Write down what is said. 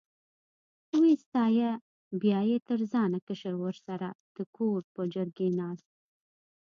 وې ستایه، بیا یې تر ځانه کشر ورسره د کور په چرګۍ ناست.